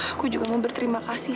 aku juga mau berterima kasih